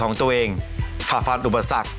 ของตัวเองฝ่าฟันอุปสรรค